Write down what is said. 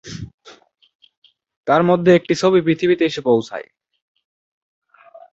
তার মধ্যে একটি ছবি পৃথিবীতে এসে পৌঁছায়।